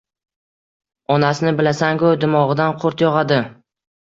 Onasini bilasanku, dimog'idan qurt yog'adi.